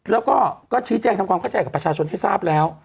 แล้วก็ชี้แจงทำความเข้าใจกับประชาชนให้ทราบแล้ว